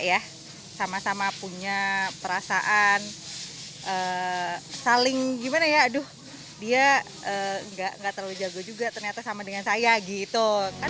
ya sama sama punya perasaan saling gimana ya aduh dia nggak terlalu jago juga ternyata sama dengan saya gitu kan